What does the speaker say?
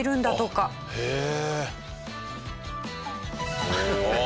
へえ。